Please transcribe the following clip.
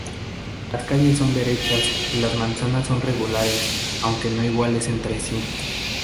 Las calles son derechas y las manzanas son regulares, aunque no iguales entre sí.